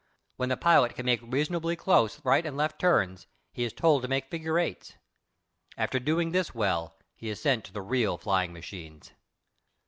When the pilot can make reasonably close right and left turns, he is told to make figure eights. After doing this well he is sent to the real flying machines.